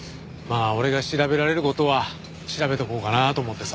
あ俺が調べられる事は調べとこうかなと思ってさ。